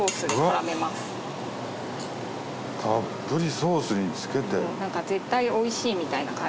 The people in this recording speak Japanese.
たっぷりソースにつけて。